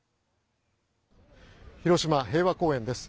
広島・平和公園です。